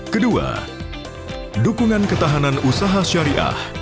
kedua dukungan ketahanan usaha syariah